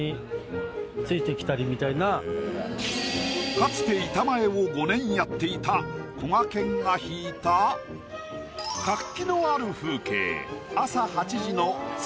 かつて板前を５年やっていたこがけんが引いた活気のある風景。